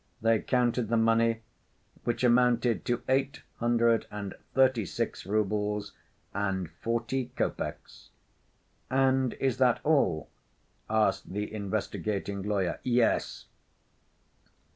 They counted the money, which amounted to eight hundred and thirty‐six roubles, and forty copecks. "And is that all?" asked the investigating lawyer. "Yes."